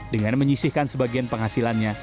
dengan menyisihkan sebagian penghasilannya